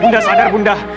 bunda sadar bunda